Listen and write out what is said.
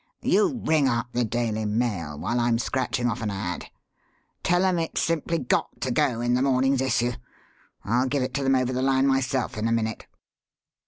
You ring up the Daily Mail while I'm scratching off an ad. Tell 'em it's simply got to go in the morning's issue. I'll give it to them over the line myself in a minute."